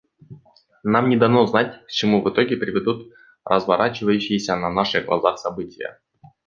Нам не дано знать, к чему в итоге приведут разворачивающиеся на наших глазах события.